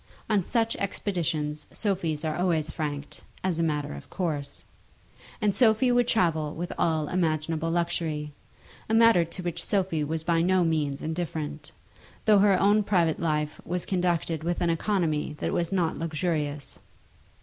On such expeditions Sophies are always franked as a matter of course. And Sophie would travel with all imaginable luxury, a matter to which Sophie was by no means indifferent, though her own private life was conducted with an economy that was not luxurious.